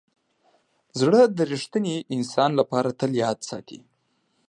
زړه د ریښتیني انسان لپاره تل یاد ساتي.